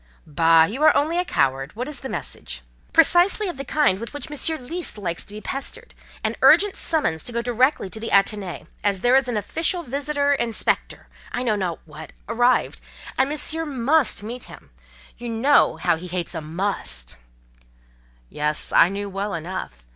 "Bah! you are only a coward. What is the message?" "Precisely of the kind with which Monsieur least likes to be pestered: an urgent summons to go directly to the Athénée, as there is an official visitor—inspector—I know not what—arrived, and Monsieur must meet him: you know how he hates a must." Yes, I knew well enough.